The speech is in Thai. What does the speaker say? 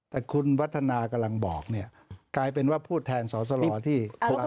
แต่คุณวัฒนากำลังบอกเนี่ยกลายเป็นว่าผู้แทนสอสลอที่กำลัง